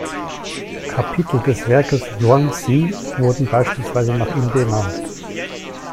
Kapitel des Werkes "Zhuangzi" wurde beispielsweise nach ihm benannt.